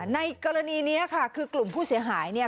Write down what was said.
ในกรณีนี้ค่ะคือกลุ่มผู้เสียหายเนี่ย